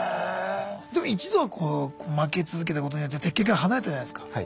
でも一度はこう負け続けたことによって「鉄拳」から離れたじゃないですか。